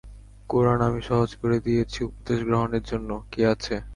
কুরআন আমি সহজ করে দিয়েছি উপদেশ গ্রহণের জন্য, কে আছে?